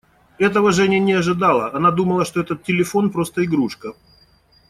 Этого Женя не ожидала; она думала, что этот телефон просто игрушка.